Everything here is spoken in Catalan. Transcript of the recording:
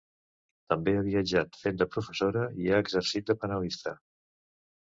També ha viatjat fent de professora i ha exercit de panelista.